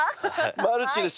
マルチです。